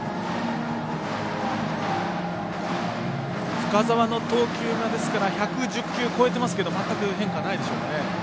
深沢の投球が１１０球、超えてますけど全く変化ないでしょうかね。